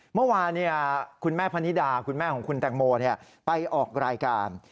เมื่อวานคุณแม่พนิดาคุณแม่ของคุณแตงโมไปออกรายการ